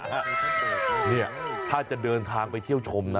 เนี่ยถ้าจะเดินทางไปเที่ยวชมนะ